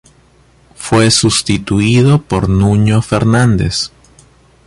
Fue sustituido por Nuño Fernández.